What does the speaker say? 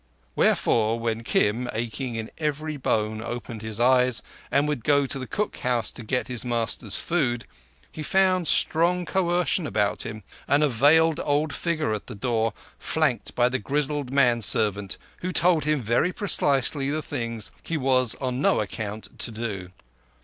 Wherefore when Kim, aching in every bone, opened his eyes, and would go to the cook house to get his master's food, he found strong coercion about him, and a veiled old figure at the door, flanked by the grizzled manservant, who told him very precisely the things that he was on no account to do.